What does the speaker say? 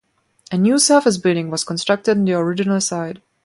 A new surface building was constructed on the original site.